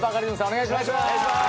お願いします。